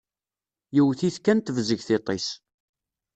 Yewwet-it kan tebzeg tiṭ-is.